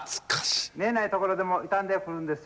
見えない所でも痛んでくるんですよ。